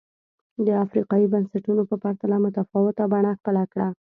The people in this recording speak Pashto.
د افریقايي بنسټونو په پرتله متفاوته بڼه خپله کړه.